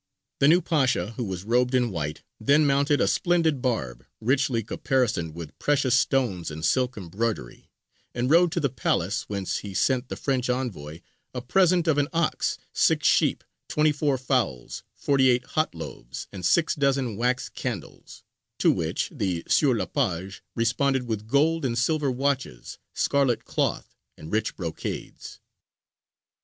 The new Pasha, who was robed in white, then mounted a splendid barb, richly caparisoned with precious stones and silk embroidery, and rode to the palace, whence he sent the French envoy a present of an ox, six sheep, twenty four fowls, forty eight hot loaves, and six dozen wax candles; to which the Sieur le Page responded with gold and silver watches, scarlet cloth, and rich brocades.